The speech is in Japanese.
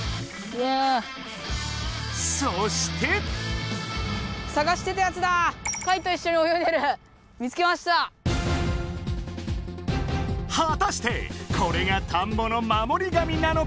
はたしてこれが田んぼの守り神なのか？